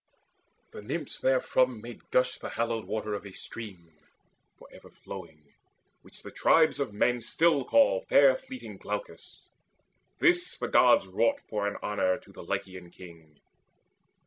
The Nymphs therefrom Made gush the hallowed water of a stream For ever flowing, which the tribes of men Still call fair fleeting Glaucus. This the gods Wrought for an honour to the Lycian king.